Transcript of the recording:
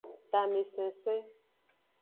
Tamesensen.